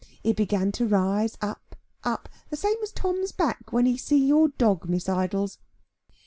It began to rise up, up, the same as Tom's back, when he see your dog, Miss Idols."